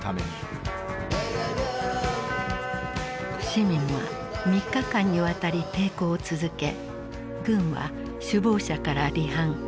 市民は３日間にわたり抵抗を続け軍は首謀者から離反。